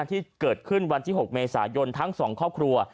ที่เกิดขึ้นวันที่๖เมษายนทั้ง๒ครอบครัว